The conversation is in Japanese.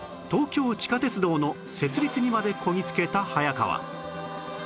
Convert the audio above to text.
東京地下鉄道の設立にまでこぎつけた早川